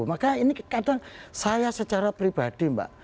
maka ini kadang saya secara pribadi mbak